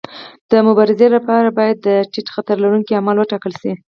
د مبارزې لپاره باید د ټیټ خطر لرونکي اعمال وټاکل شي.